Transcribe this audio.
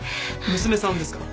娘さんですか？